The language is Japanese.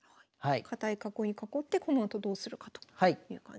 堅い囲いに囲ってこのあとどうするかという感じですね。